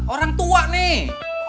orang tua nih